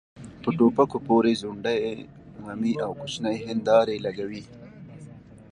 په ټوپکو پورې ځونډۍ غمي او کوچنۍ هيندارې لګوي.